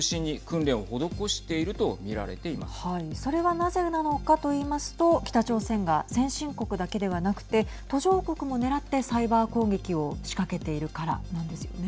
それは、なぜなのかと言いますと北朝鮮が先進国だけではなくて途上国も狙ってサイバー攻撃を仕掛けているからなんですよね。